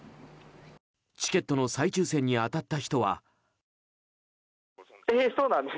チケットの再抽選に当たった人は。